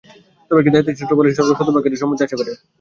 তবে একটি দায়িত্বশীল সূত্র বলেছে, সরকার শতভাগ ক্ষেত্রেই সম্মতি আশা করে।